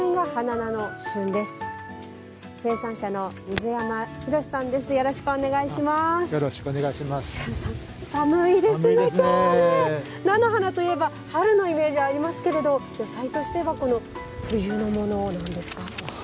菜の花といえば春のイメージありますけれど野菜としては冬のものなんですか？